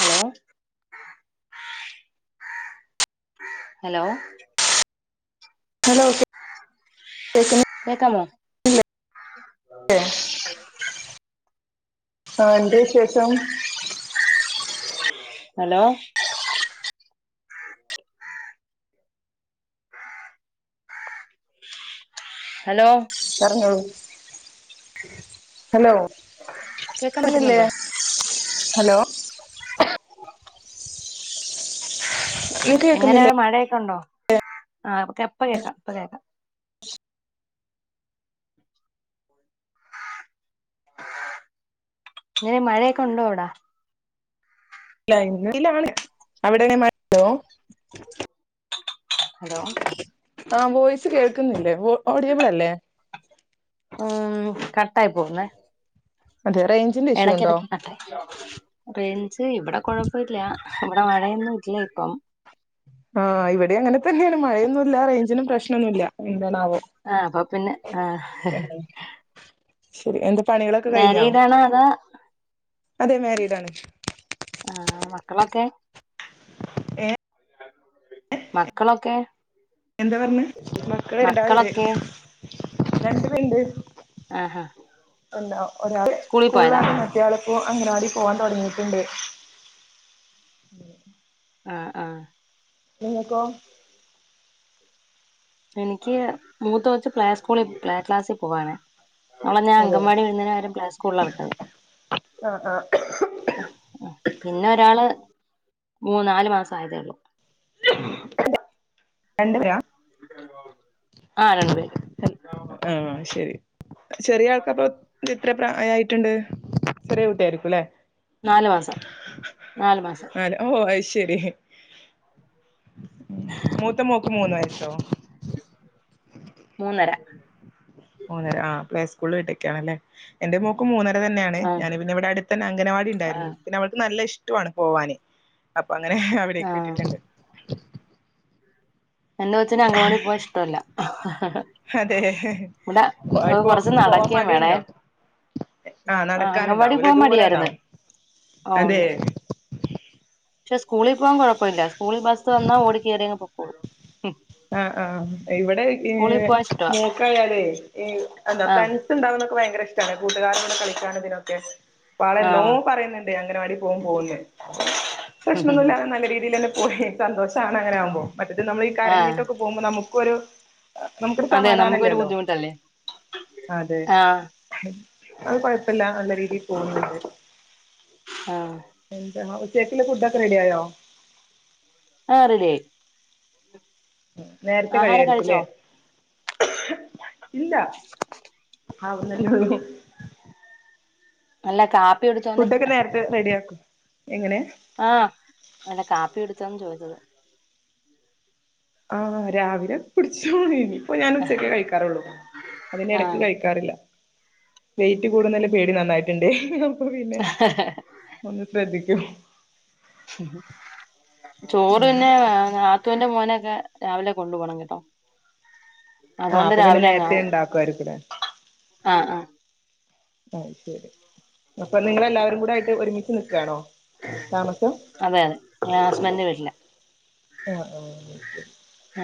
Hello hello hello [unintelligible] കേക്കാമോ [unintelligible] ആ എന്താ വിശേഷം ഹലോ ഹലോ പറഞ്ഞോളു ഹലോ കേക്കാൻ ക്ക്ന്നില്ലേ പറ്റുന്നുണ്ടോ ഹലോ നീ എങ്ങനെയാ കേൾക്കുന്നില്ലേ മഴയെക്ക ഉണ്ടോ ആ ഇപ്പ കേക്കാം ഇപ്പ കേക്കാം എങ്ങനെ മഴയെക്കെ ഉണ്ടോ അവ്ട ഇല്ല [unintelligible] അവിടെ എങ്ങനെ മഴണ്ടോ ഹലോ ആ വോയിസ് കേൾക്കുന്നില്ലേ ഒ ഓഡിയബിള അല്ലേ ഉം കട്ടായി പോവുന്നെ അതെ റൈ എടക്കെടക്ക് കട്ടായി റൈഞ്ച് ഇവടെ കൊഴപ്പല്ല ഇവടെ മഴയൊന്നും ഇല്ല ഇപ്പം ആ ഇവടി അങ്ങനെ തന്നെണ് മഴയൊന്നുല്ല റൈഞ്ചിനും പ്രശ്നന്നുല്ല എന്താണാവോ ആ അപ്പൊ പിന്നെ ആഹ് ശരി എന്താ പണികളൊക്ക കഴിഞ്ഞോ മാരീഡാണോ അതോ അതെ മാരീഡാണ് ആഹ് മക്കളൊക്കെ ഏ മക്കളൊക്കെ എന്താ പർഞ്ഞെ മക്കള് രണ്ടാള്ണ്ട് മക്കളൊക്കെ രണ്ട് പേര്ണ്ട് ആ ഹാ ഇണ്ട് ഒരാള് സ്കൂൾലാണ് മറ്റെ ആള്പ്പൊ അംഗനവാടി പോവാൻ തൊടങ്ങീട്ട്ണ്ട് ആഹ് ആഹ് ഇങ്ങക്കോ ഇൻക്കി മൂത്തകൊച്ച് പ്ലേ സ്കൂളിൽ പ്ലേ ക്ലാസ്സി പോവാണ് അവളെ ഞാൻ അതെ അങ്കൻവാടി വിടുന്നെന് പകരം പ്ലെ സ്കൂൾല വിട്ടത് ആഹ് ആഹ് പിന്നെ ഒരാള് മൂന്ന നാല് മാസായതേ ഒള്ളൂ രണ്ട് പേരാ ആ രണ്ട് പേര് ആ ശരി ചെറിയ ആൾക്കപ്പൊ എത്ര പ്രയായിട്ട്ണ്ട് ചെറിയ കുട്ട്യായിരിക്കു ലെ നാല് മാസം നാല് മാസം നാല് ഓ അയ്‌ ശരി മൂത്തമോക്ക് മൂന്ന് വയസോ മൂന്നര മൂന്നര ആ പ്ലേ സ്കൂൾല് വിട്ടേക്കാണല്ലേ എന്റെ മോക്കും മൂന്നര തന്നെണ് ആ ഞാന് പിന്നെ ഇവടെ അട്ത്തന്നെ അംഗനവാടി ആ ഇണ്ടായിരുന്നു പിന്നെ അവൾക്കും. നല്ല ഇഷ് റ്റു ആണ് പോവാന് അപ്പൊ അങ്ങനെ ആ അവടെക്ക് വിട്ടിട്ട്ണ്ട് എന്റെ കൊച്ചിന് അങ്കവാടി പോവാ ഇഷ്ടവല്ല അതെ ഇവടെ ഇപ്പൊ കൊറച്ച് പോവാൻ നടക്കേം വേണേ മടിയുണ്ടോ ആഹ് ആ അങ്കൻവാടി നടക്കാനുണ്ടാവൂല്ലേ പോവാം ദൂരം മടിയാര്ന്ന് ഉണ്ടാവും ഓ അതെ ഒണ്ട് പക്ഷെ സ്കൂളിൽ പോവാൻ കൊയപ്പൊല്ല സ്കൂളിൽ ബസ്സ് വെന്നാ ഓടി കേറിയങ്ങ് പോ ആഹ് ആഹ് ഇവടെ സ്കൂളിൽ ഏഹ് പോവാൻ ഇഷ്ടവാ മോക്കായാലേ ഏഹ് അഹന്താ ആ ഫ്രണ്ട് ഇണ്ടാകുന്നൊക്കെ ഭയങ്കരഷ്ടാണ് കൂട്ടുകാരും കുടെ കളിക്കാനും ഇതിനൊക്കെ ആ വളെന്നോ പറയ്ന്ന്ണ്ട് അംഗനവാടി പോവും പോവുന്ന് പ്രശ്നന്നുല്ലാ നല്ല രീതിയിലന്നേ പോയേ. സന്തോഷാണ് അങ്ങനെ ആകുമ്പോ മറ്റത് നമ്മള് ഈ ആ കരഞ്ഞിട്ടൊക്കെ പോകുമ്പോ നമുക്കൊരു ആഹ് നമുക്കൊരു അതെ നമുക്കൊരു സമാധാനല്ലല്ലോ ബുദ്ധിമുട്ടല്ലേ അതെ ആ അഹ് അഹ് കൊഴപ്പല്ല നല്ല രീതിയിൽ പോവുന്ന്ണ്ട്. ആഹ് എന്താണോ ഉച്ചകക്ക്ള്ള ഫുഡൊക്കെ റെഡി ആയോ? ആഹ് റെഡി ആയി. ഉം നേര്ത്തെ ആഹാരം കഴിയായിരിക്കും ല്ലേ? കഴിച്ചോ ഇല്ല ആവ്ന്നല്ലെ ഉള്ളു. അല്ല കാപ്പി കുടിച്ചോന്നെ അഹ് ഇത് റെഡിയാക്കും എങ്ങനെ ആ അല്ല കാപ്പി കുടിച്ചോന്ന് ചോദിച്ചത്. ആ രാവിലെ കുടിച്ചോണനി ഇപ്പം ഞാൻ ഉച്ചക്കെ കയിക്കാറുള്ളു അതിനെടക്ക് ആഹ് കയിക്കാറില്ല. വെയിറ്റ് കൂടുന്നല്ല പേടി നന്നായിട്ടിണ്ട് അപ്പൊ പിന്നെ ഒന്ന് ശ്രദ്ധിക്കും. ഉം ഉം ചോറ് ഉം തന്നെ ആങ്ങള നാത്തൂന്റെ മോനക്കെ രാവിലെ കൊണ്ടു പോണം കേട്ടോ. ആഹ് അതോണ്ട് അപ്പൊ പിന്നെ നേരത്തെ രാവിലങ്ങാവും ഉണ്ടാക്കുമായിരിക്കുംല്ലേ ആഹ് ആഹ് അഹ് ശരി അപ്പം നിങ്ങളെല്ലാവരും കൂടെ ആയിട്ട് ഒരുമിച്ച് നിക്കാണോ താമസം? അതെ അതെ ഞാൻ ഹസ്ബന്റെ വീട്ടില. ഓഹ് ഓഹ് [unintelligible]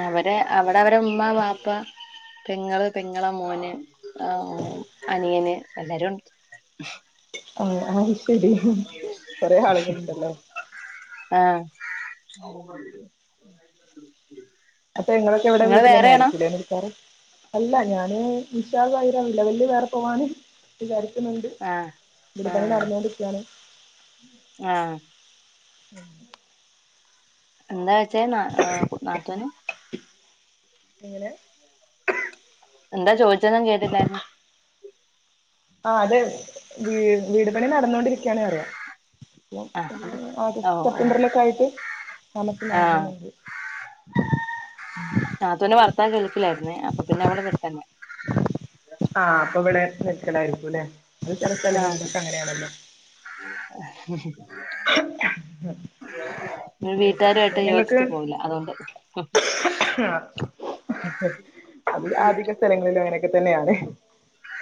അവരെ അവടവരെ ഉമ്മ, വാപ്പ, പെങ്ങള്, പെങ്ങള മോന് ആഹു അനിയന് എല്ലാരു അഹ് അഹ് ശരി കൊറെ ആളുകള്ണ്ടല്ലേ? ആഹ് ഉം ഉം [inaudible] അപ്പം ഇങ്ങളൊക്കെ ഇവടെ നിങ്ങള് വേറെയാണോ വീട്ടിലെന്നായിരിക്കുല്ലേ നിൽക്കാറ്? അല്ല ഞാന് വിഷാഖായിര വില്ല വല്ലി വേറെ പോവാന് വിചാരിക്ക്ണ് ണ്ട് ആഹ് വീട് പണി ആഹ് നടന്നോണ്ടിരിക്കാണ്. ആഹ് ഉം എന്താ ചോയ്ച്ചേ ന ആഹ് നാത്തൂന്? എങ്ങനെ? എന്താ ചോദിച്ചെന്ന് കേട്ടില്ലാരുന്നു. ആഹ് അത് വീ വീടുപണി നടന്നോണ്ടിരിക്കാണ് അറ്യ. ആഹ് [unintelligible] ഓഹ് ഓഹ് സെപ്റ്റംബറിലൊക്കായിട്ട് താമസം ആഹ് മാറണന്നുണ്ട്. നാത്തൂൻ്റെ വർത്താനം കേട്ടിലേ പിന്നെ അപ്പൊ പിന്നെ [unintelligible] ആ അപ്പ ഇവടെ നിൽക്കലായിരിക്കുല്ലേ? അത് ചെല സ്ഥലങ്ങളിലക്കെ അങ്ങനെ ആണല്ലോ. ഉം ഉം ഉം ഉം ഉം വി വീട്ടാരു ആയിട്ട് യോജിച്ച് പോവില്ല അതോണ്ട് അഹ് ങ് അതില് അധിക സ്ഥലങ്ങളിലുങ്ങനൊക്കെ തന്നെയാണേ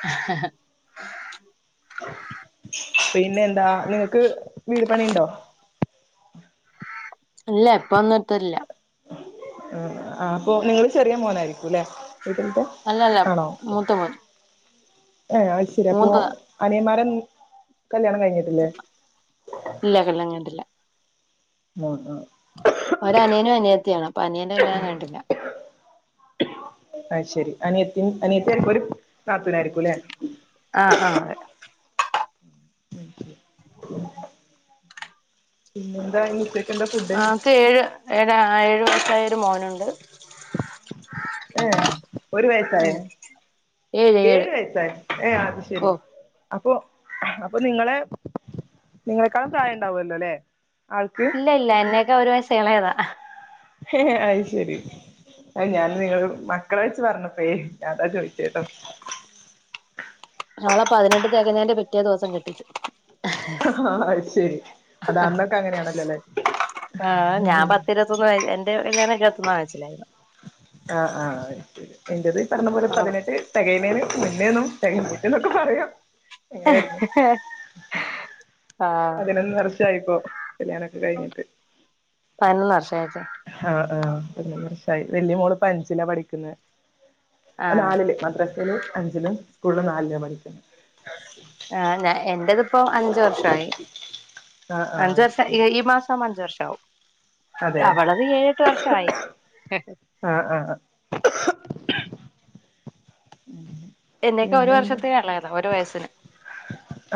ഹ - ഹ- ഹ പിന്നെന്താ നിങ്ങക്ക് വീട് പണി ഉണ്ടോ? ഇല്ല ഇപ്പൊന്നും എത്തുല്ല ആ് ആഹ് അപ്പൊ നിങ്ങള് ചെറിയ മോനായിരിക്കുല്ലേ? വീട്ടിലത്തെ അല്ലല്ല ആണോ? മൂത്ത മോൻ ഏഹ് അഹ് ശരി അപ്പൊ മൂത്തതാ അനിയന്മാരെൻ കല്യാണം കഴിഞ്ഞ്. ഇല്ല കല്ല്യാണം കയിഞ്ഞിട്ടില്ല മോനെ ഒരനിയനും അനിയത്തിയാണ് അപ്പൊ അനിയന്റെ കല്ല്യാണം കയിഞ്ഞിട്ടില്ല. അഹ് ശെരി അനിയത്തി അനിയത്തി [unintelligible] ഒരു നാത്തൂനായിരിക്കുല്ലേ ആഹ് ആഹ് അതെ [inaudible] പിന്നെ എന്താ പണി ഉച്ചയ്ക്ക്എന്താ ഫുഡ്? ഇച്ച് ഏഴ് ഏഴ ഏഴു വയസ്സായരു മോനുണ്ട്. ഏ ഒരു വയസ്സായേ? ഉം ഏഴ് ഏഴ് ഏഴു വയസായ ഏ അത് ശരി ഓ അപ്പൊ അപ്പൊ നിങ്ങളെ നിങ്ങളെക്കാളും പ്രായംണ്ടാവുല്ലോ അല്ലേ? ആൾക്ക് ഇല്ല ഇല്ല എന്നെക്കാളും ഒരു വയസ് ഇളയതാ. അഹ് ശരി അ ഞാൻ നിങ്ങള് മക്കളെ വെച്ച് പറഞ്ഞപ്പോയ അതാ ചോയിച്ച ട്ടോ ഓളെ പതിനെട്ട് തെകഞ്ഞതിന്റെ പിറ്റേ ദിവസം കെട്ടിച്ചു. ആഹ ശരി അത അന്നൊക്കെ അങ്ങനെയാണല്ലോ അല്ലേ [unintelligible] എന്റെറെ കല്യാണം ഇരുപത്തി ഒന്നിലാ [unintelligible] ആഹ ആ എന്റത് പറഞ്ഞ പോലെ പതിനെട്ട് തെകയിനേന് മുന്നേന്നും തെകഞ്ഞിട്ട് എന്നൊക്കെ പറയാം. അങ്ങനെയായിരുന്നു [unintelligible] ആഹ് പതിനൊന്ന് വർഷായിപ്പോ കല്യാണെക്കെ കഴിഞ്ഞിട്ട്. പതിനൊന്ന് വർഷം [unintelligible] ആ ആ് പതിനെന്ന് വർഷായി വല്യ മോള് ഇപ്പൊഅഞ്ചിലാ പഠിക്കുന്ന. ആഹ് നാലില് മദ്രാസയില് അഞ്ചിലും സ്കൂളിലും നാലിലും പഠിക്കുന്ന. ആ ഞ എന്റതിപ്പോ അഞ്ച് വർഷായി. ആഹ് ആഹ് അഞ്ച് അത് വർഷം ശരി ഈ മാസം അഞ്ച് വർഷാവും. അതെ അവളത് ഏഴെട്ട് വർഷായി ആഹ ആഹ എന്നേക്കാ ഒരു പിന്നെന്താ വർഷത്തിന് എളയതാ ഒരു വയസ്സിന്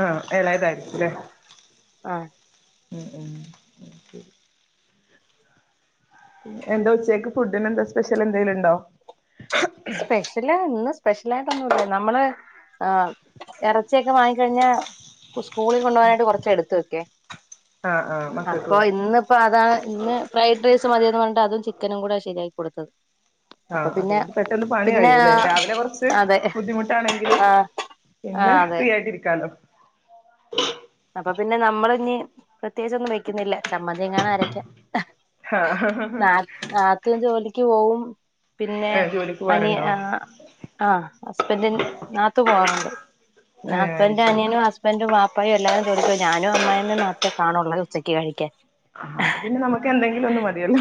ആഹ ഇളായതായിരിക്കുല്ലേ ആഹ ഉം ഉം ശരി എന്താ ഉച്ചയ്ക്ക് ഫുഡിന് എന്താ സ്പെഷ്യൽ എന്തെങ്കിലും ഉണ്ടോ? സ്പെഷ്യല് ഇന്ന് സ്പെഷ്യലായിട്ടൊന്നൂല നമ്മള് ആ ഇറച്ചിയൊക്കെ വാങ്ങിക്ക കഴിഞ്ഞാ സ്കൂളിൽ കൊണ്ടു പോകാനായിട്ട് കുറച്ച് എടുത്തു വെക്കെ ആഹ് ആഹ് മക്കൾക്ക് അപ്പൊ ഇന്ന് അപ്പൊ അതാണ് ഇന്ന് ഫ്രൈഡ് റൈസും മതിന്ന് പറഞ്ഞി അതും ചിക്കനും കൂടെ ശരിയാക്ക കൊടുത്തത്. അപ്പൊ ആഹ് പിന്നെ അതുകൊണ്ട് പെട്ടന്ന് പണി പിന്നെ കഴിയൂല്ലെ രാവിലെ കുറച്ച് അതെ ബുദ്ധിമുട്ടാണെങ്കിലും ആഹ് പിന്നെ ആഹ് അതെ ഫ്രീ ആയിട്ടിരിക്കാല്ലോ അപ്പൊ പിന്നെ നമ്മൾ ഇഞ്ഞ് പ്രത്യേകിച്ച ഒന്നും വെക്കുന്നില്ല ചമ്മതിയങ്ങണം ആരക്കാ ആഹ് നാത്തൂൻ ജോലിക്ക് പോവും പിന്നെ ഏഹ് ജോലിക്ക് അനി പോവാറുണ്ടോ ആഹ് ആഹ് ഹസ്ബൻഡ് നത്തും പോവാറുണ്ട് ന്ന ഏഹ് അത് ഹസ്ബന്ഡ ശരി അനിയനും ഹസ് ബൻഡ് ബാപ്പായയും എല്ലാരും ജോലിക്ക് ഞാനും അമ്മായിഅമ്മയും മാത്രേ കാണുള്ളൂ ഉച്ചയ്ക്ക് കഴിക്കാൻ ആഹ് അപ്പൊ പിന്നെ നമുക്ക് എന്തെങ്കിലും ഒന്നും മതിയല്ലോ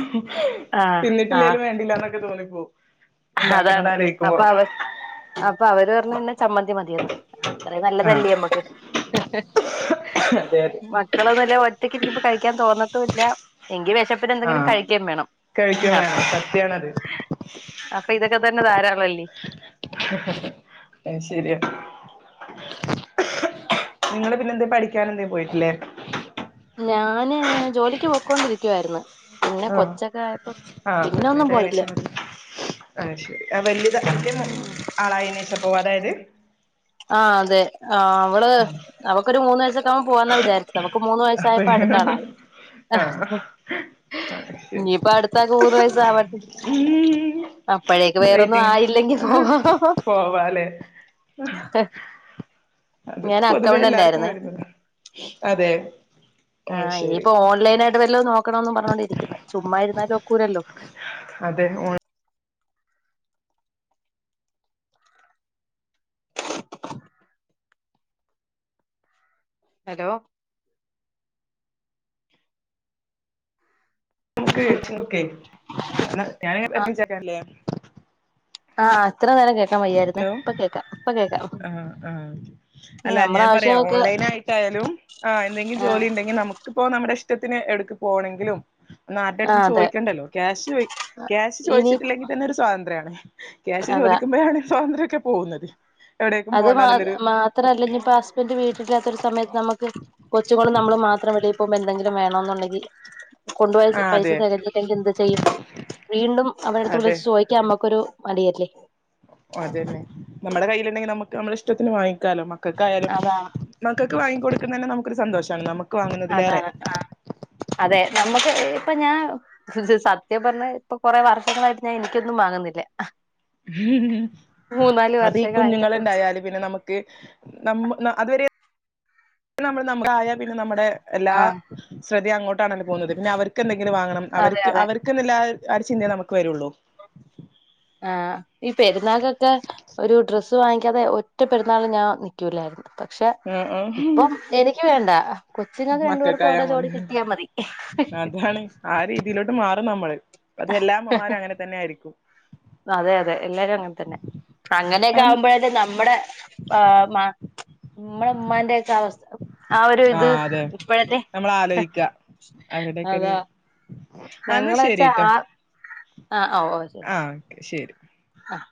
ആഹ് ആഹ് തിന്നിട്ടില്ലേലും വേണ്ടില്ലന്നൊക്കെ തോന്നിപ്പോവും ഇണ്ടാക്കുന്നത് അതാണ് ആലോയിക്കുമ്പോ അപ്പൊ അവർ അപ്പൊ അവര് പറഞ്ഞു ഇന്ന് ചമ്മന്തി മതിയന്ന് അത്ര ആഹ് നല്ലതല്ലേ നമ്മക്ക് അതെ അതെ മക്കളന്നല്ല ഒറ്റക്ക് ഇരിക്കിപ്പ കഴിക്കാൻ തോന്നത്തല്ല എങ്കി വിശപ്പന് എന്തെങ്കിലും ആഹ് കഴിക്കാൻ വേണം കഴിക്കും അപ്പ് വേണം [inaudible] അപ്പൊ ഇതൊക്കെ തന്നെ ധാരാളല്ലേ അ ശരിയാ നിങ്ങള് പിന്നെ എന്തേ പഠിക്കൻ എന്തേ പോയിട്ടില്ലേ ഞാന് ജോലിക്ക് പോയ്ക്കൊണ്ടിരിക്കുവായിരുന്നു പിന്നെ ആഹ് കൊച്ചൊക്കെ ആഹ് ഒന്നും പ്രേഗ്നെന്റ് ആയതിന്ന് പോയില്ല ശേഷം അ ശരി വല്ത വല്യ മോ ആളായീനേശ പോവത്തായത് ആഹ് അതെ ആഹ് അവള് അവക്കൊരു മൂന്നാസ പോന്ന വിചാരിച്ചത് അവക്ക് മൂന്ന് അപ്പ വയസ്സായപ്പോ അടുത്താളായി ആഹ് അത്‌ ശെരി ഇനിയിപ്പോ അടുത്താക്ക് മൂന്ന് വയസ്സാവട്ടെ അപ്പോഴേക്ക് വേറൊന്നും ആയില്ലെങ്കി പോവാ പോവാലേ അത് ഞാൻ പൊതുവേ അക്കൗണ്ടന്റ് എല്ലാർക്കും ആയിരുന്നേ വരുന്നത് അതെ അത്‌ ശരി ഓൺലൈന ട്ട് വല്ലോം നോക്കണംന്ന് പറഞ്ഞുകൊണ്ടിരിക്കുന്നേ ചുമ്മാതിരുന്നാലും ഒക്കൂലല്ലോ അതെ ഓ ഹലോ [unintelligible] ആഹ് അത്ര നേരം കേട്ട് ഹലോ ആഹ് ആഹ് അല്ല നമ്മളെ ഞാൻ പറയാ ആവശ്യങ്ങൾക്ക് ഓൺലൈൻ ആയിട്ടായാലും ആഹ് എന്തെങ്കിലും ആ ജോലി ഉണ്ടെങ്കിൽ നമുക്കിപ്പോ നമ്മുടെ ഇഷ്ടത്തിന് എവ്ടുക്ക് പോണെങ്കിലും ആ ആരടെട്ത്തും അതെ ചോദിക്കണ്ടല്ലോ ക്യാഷ് ക്യാഷ് ഇനി ചോദിച്ചിട്ടില്ലെങ്കിൽ തന്നെ ഒരു സ്വാതന്ത്ര്യാണ് ക്യാഷ് അതാ ചോദിക്കുമ്പോഴാണ് സ്വാതന്ത്ര്യൊക്കെ പോകുന്നത് എവിടേക്കും അത് മാ പോകണ്ടാന്നുള്ളൊരു മാത്രല്ല ഇനി ഇപ്പ ഹസ്ബൻന്റ് വീട്ടിലില്ലാത്തരു സമയത്ത് നമുക്ക് കൊച്ച്ങ്ങളും നമ്മളും മാത്രം വെളിപോമ്പോ എന്തെങ്കിലും വേണന്നുണ്ടെങ്കി കൊണ്ടുപോയ ആഹ് പൈസ അതെ തികഞ്ഞില്ലെങ്കി എന്ത് ചെയ്യും വീണ്ടും അവരെടുത്ത് അതെ വിളിച്ച് ചോദി ക്കാൻ നമ്മുക്കൊരു മടിയല്ലെ അതന്നെ നമ്മുടെ കയ്യിയിലുണ്ടെങ്കിൽ നമുക്ക് നമ്മള ഇഷ്ടത്തിന് വാങ്ങിക്കാലോ മക്കക്കായാലും അതാണ് മക്കക്ക് വാങ്ങിക്കൊടുക്ക്ണ തന്നെ നമുക്കൊരു സന്തോഷാണ് നമു - അതാണ് ആഹ് അതെ നമ്മുക്ക് ഇപ്പൊ ഞാ സത്യം പറഞ്ഞ ഇപ്പൊ കൊറെ വർഷങ്ങളായിട്ട് ഞാൻ എനിക്കൊന്നും വാങ്ങുന്നില്ല മൂന്നാല് അതീ വർഷങ്ങളായിട്ട് കുഞ്ഞുങ്ങള് കൊച്ച് ഉണ്ടായാല് പിന്നെ നമുക്ക് നമ്മ അതുവരെ നമ്മൾ നമ്മു ആയ പിന്നെ നമ്മുടെ എല്ലാ ആ ശ്രദ്ധയും അങ്ങോ ട്ടാണല്ലൊ പോന്നത് പിന്നെ അവർക്ക് എന്തെങ്കിലും വാങ്ങണം അതെ അവർക്ക് അതെ അവർക്ക് ന്ന്ള്ള ആ ഒരു ചിന്ത നമുക്ക് വരുള്ളൂ ആഹ് ഈ പെരുന്നാകൊക്കെ ഒരു ഡ്രസ്സ് വാങ്ങിക്കാതെ ഒറ്റ പെരുന്നാള് ഞാൻ നിക്കൂല്ലായിരുന്നു അ പക്ഷെ ആ ആ ഇപ്പം എനിക്ക് വേണ്ട കൊച്ചിങ്ങക്ക് രണ്ടു പേർക്കും മക്കൾക്കായാ ഓരോ ജോടി മതി കിട്ടിയാ മതി അതാണ് ആ രീതിയിലോട്ട് മാറും നമ്മള് അത് എല്ലാ അമ്മമാരും അങ്ങനെ തന്നെ ആയിരിക്കും അതെ അതെ എല്ലാരും അങ്ങനെ തന്നെ അങ്ങനെയൊക്കെ ആകുമ്പോഴേക്കും നമ്മുടെ ആ മ മ്മളെ ഉമ്മാന്റെ ക്കെ അവസ്ഥ ആ ഒരു ഇത് ഇപ്പോഴത്തെ നമ്മൾ ഹ് ആലോചിക്ക അവരുടെയൊക്കെ ഒരു അതാ എന്നാ ഞങ്ങള് വെച്ചാ ശരിട്ടോ ആ ആ ഓ ഓ ശെരി ആ ഓക്കെ ശരി ആഹ്